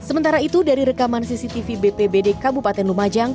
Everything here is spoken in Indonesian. sementara itu dari rekaman cctv bpbd kabupaten lumajang